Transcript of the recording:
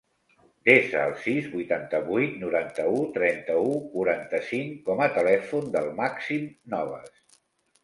Desa el sis, vuitanta-vuit, noranta-u, trenta-u, quaranta-cinc com a telèfon del Màxim Novas.